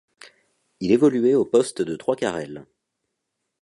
Il évoluait au poste de trois quart aile.